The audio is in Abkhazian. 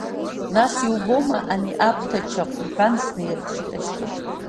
Нас, иубома ани аԥҭа чаҟә, — иҳәан, снеирԥшит ашьхарахь.